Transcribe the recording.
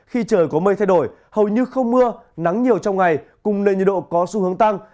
khi trời có mây thay đổi hầu như không mưa nắng nhiều trong ngày cùng nền nhiệt độ có xu hướng tăng